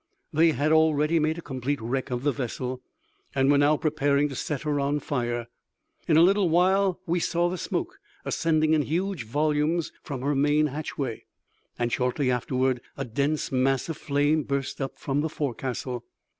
They had already made a complete wreck of the vessel, and were now preparing to set her on fire. In a little while we saw the smoke ascending in huge volumes from her main hatchway, and, shortly afterward, a dense mass of flame burst up from the forecastle.